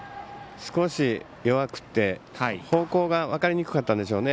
少し弱くて方向が分かりにくかったんでしょうね。